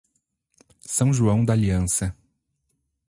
São João d'Aliança